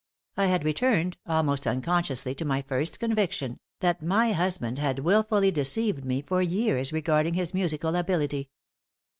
I had returned, almost unconsciously, to my first conviction, that my husband had wilfully deceived me for years regarding his musical ability.